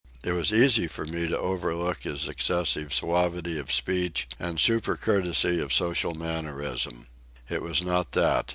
It was easy for me to overlook his excessive suavity of speech and super courtesy of social mannerism. It was not that.